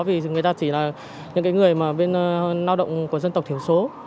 vì người ta chỉ là những người lao động của dân tộc thiểu số